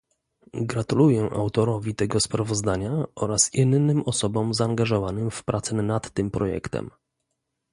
Gratuluję autorowi tego sprawozdania oraz innym osobom zaangażowanym w prace nad tym projektem